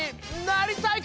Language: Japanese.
なりたい！